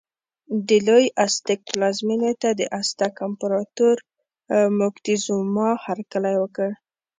د لوی ازتېک پلازمېنې ته د ازتک امپراتور موکتیزوما هرکلی وکړ.